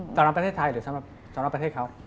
เจ้านักประเทศไทยหรือเจ้านักประเทศเขา